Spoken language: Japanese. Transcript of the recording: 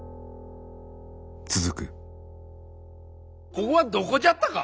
ここはどこじゃったか。